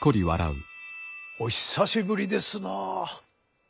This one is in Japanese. お久しぶりですな。